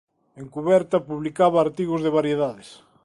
En cuberta publicaba artigos de variedades.